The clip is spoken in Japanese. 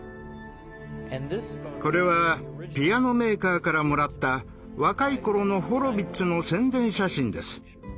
これはピアノメーカーからもらった若い頃のホロヴィッツの宣伝写真です。